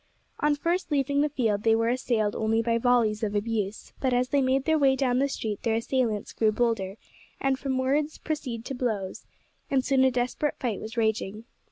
On first leaving the field they were assailed only by volleys of abuse; but as they made their way down the street their assailants grew bolder, and from words proceeded to blows, and soon a desperate fight was raging.